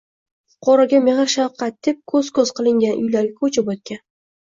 Fuqaroga mehr-shafqat deb koʻz-koʻz qilingan uylarga koʻchib oʻtgan